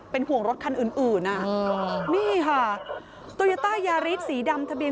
เป็นห่วงรถคันอื่นอื่นอ่ะนี่ค่ะโตยาต้ายาริสสีดำทะเบีย